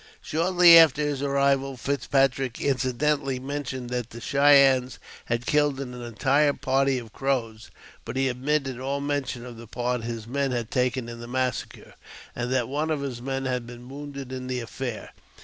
Shortly after his arrival, Fitzpatrick incidentally mentionedJ that the Cheyennes had killed an entire party of Crows (but he omitted all mention of the part his men had taken in the massacre), and that one of his men had been wounded in the affair.